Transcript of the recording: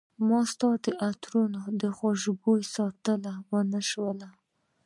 ما ستا د عطرو خوشبوي ساتلی ونه شوله